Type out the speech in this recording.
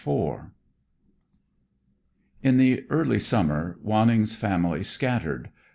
III In the early summer Wanning's family scattered.